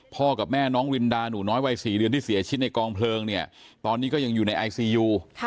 กับแม่น้องรินดาหนูน้อยวัย๔เดือนที่เสียชีวิตในกองเพลิงเนี่ยตอนนี้ก็ยังอยู่ในไอซียู